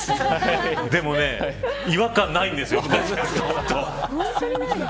でも違和感ないんですよ。